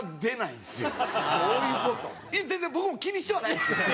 いや全然僕も気にしてはないですけど。